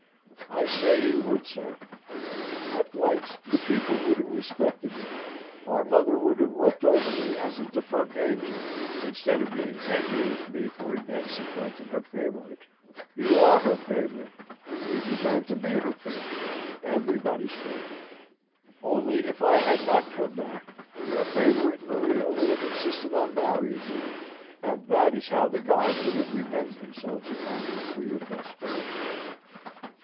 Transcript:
I say he would, sir! At White's the people would have respected you. Our mother would have wept over me, as a defunct angel, instead of being angry with me for again supplanting her favourite you are her favourite, you deserve to be her favourite: everybody's favourite: only, if I had not come back, your favourite, Maria, would have insisted on marrying you; and that is how the gods would have revenged themselves upon you for your prosperity."